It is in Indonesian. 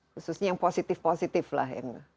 khususnya yang positif positif lah